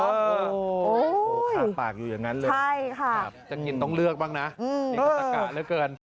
ขาปากอยู่อย่างนั้นเลยจะกินต้องเลือกบ้างนะเป็นศักดิ์ตะกะแล้วเกิน